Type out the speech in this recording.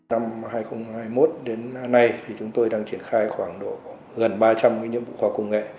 năm hai nghìn hai mươi một đến nay thì chúng tôi đang triển khai khoảng gần ba trăm linh nhiệm vụ khoa học công nghệ